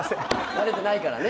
慣れてないからね。